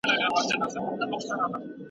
په کارخانو کي باید د کارګرانو امنیت خوندي وي.